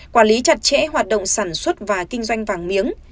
quản lý chặt chẽ hoạt động sản xuất và kinh doanh vàng miếng